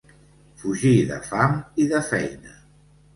Fugir de fam i de feina.